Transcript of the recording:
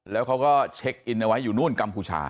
แล้วเขาก็เช็คอินเอาไว้อยู่นู่นกัมพูชา